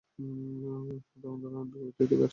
সাধারণ ধারণার বিপরীতে, এটি গাছে জন্মে না।